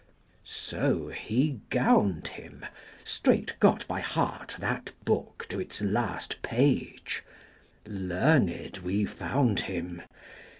So, he gowned him, 50 Straight got by heart that book to its last page: Learned, we found him.